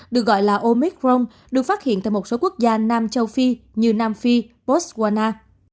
được gọi là omicron được phát hiện tại một số quốc gia nam châu phi như nam phi botswana